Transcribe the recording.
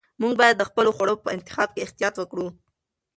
موږ باید د خپلو خوړو په انتخاب کې احتیاط وکړو.